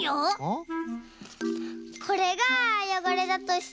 これがよごれだとして。